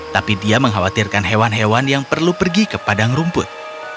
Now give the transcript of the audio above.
tapi dia mengkhawatirkan hewan hewan yang perlu pergi ke padang rumput